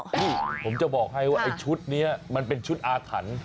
อุฒาผมจะบอกให้ว่าอักมะมันเป็นชุดอาถรรภ์